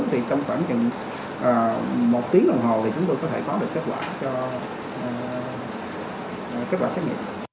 thì trong khoảng chừng một tiếng đồng hồ thì chúng tôi có thể có được kết quả xét nghiệm